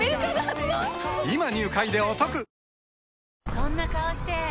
そんな顔して！